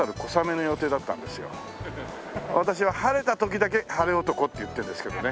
私は晴れた時だけ晴れ男って言ってるんですけどね。